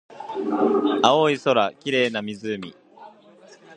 青い空、綺麗な湖